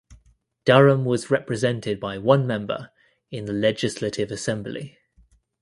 Durham was represented by one member in the Legislative Assembly.